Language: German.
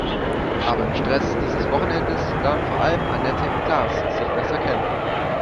Aber im Stress dieses Wochenendes lernen vor allem Annette und Lars sich besser kennen.